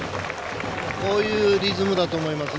こういうリズムだと思います。